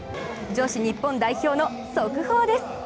女子日本代表の速報です。